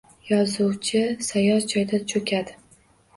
Yozuvchi sayoz joyda cho’kadi.